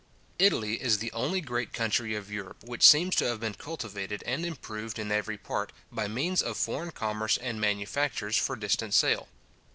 Italy is the only great country of Europe which seems to have been cultivated and improved in every part, by means of foreign commerce and manufactures for distant sale.